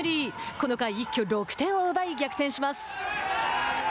この回一挙６点を奪い逆転します。